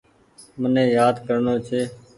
مني يآد ڪرڻو ڇي۔